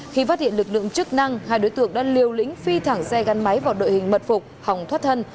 khi phát hiện lực lượng chức năng hai đối tượng đã liều lĩnh phi thẳng xe gắn máy vào đội hình mật phục hòng thoát thân